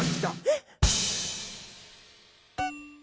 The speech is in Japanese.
えっ？